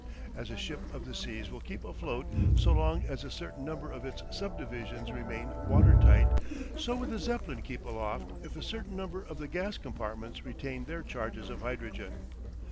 As a ship of the seas will keep afloat so long as a certain number of its subdivisions remain watertight, so would the Zeppelin keep aloft if a certain number of the gas compartments retained their charges of hydrogen.